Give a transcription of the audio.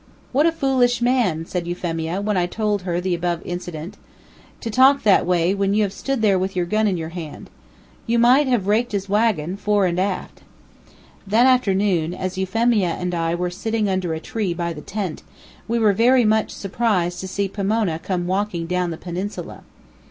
"What a foolish man!" said Euphemia, when I told her the above incident, "to talk that way when you stood there with a gun in your hand. You might have raked his wagon, fore and aft." That afternoon, as Euphemia and I were sitting under a tree by the tent, we were very much surprised to see Pomona come walking down the peninsula.